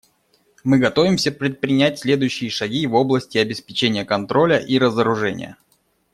Мы готовимся предпринять следующие шаги в области обеспечения контроля и разоружения.